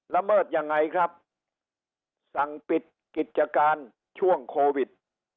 เมิดยังไงครับสั่งปิดกิจการช่วงโควิด